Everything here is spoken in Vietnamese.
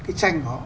cái tranh của họ